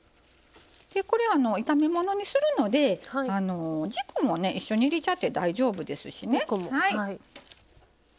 これ炒め物にするので軸も一緒に入れちゃって大丈夫ですしね。